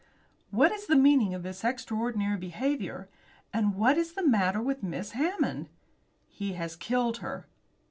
"What is the meaning of this extraordinary behaviour? And what is the matter with Miss Hammond?" "He has killed her."